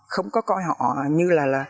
không có coi họ như là